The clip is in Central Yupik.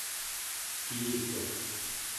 kiiguq